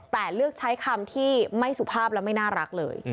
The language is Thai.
แต่เลือกใช้คำที่ไม่สุภาพและไม่น่ารักเลย